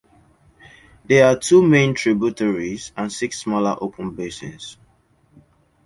There are two main tributaries and six smaller open basins.